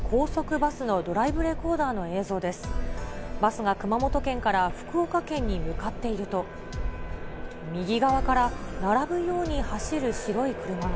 バスが熊本県から福岡県に向かっていると、右側から並ぶように走る白い車が。